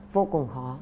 vô cùng khó